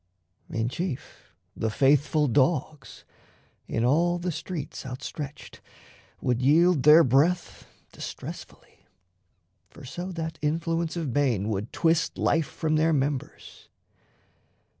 In chief, the faithful dogs, in all the streets Outstretched, would yield their breath distressfully For so that Influence of bane would twist Life from their members.